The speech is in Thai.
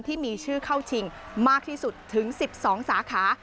ที่มีชื่อเข้าชิงมากที่สุดถึง๑๒สาขา